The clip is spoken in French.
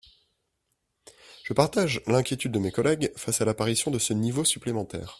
Je partage l’inquiétude de mes collègues face à l’apparition de ce niveau supplémentaire.